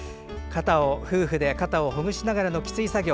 夫婦で肩をほぐしながらのきつい作業。